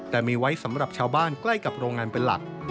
แต่มีไว้สำหรับชาวบ้านใกล้กับโรงงานเป็นหลัก